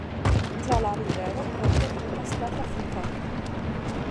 Tra la rivero ponto helpas la trafikon.